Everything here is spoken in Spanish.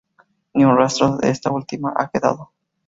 Ni un rastro de esta última ha quedado.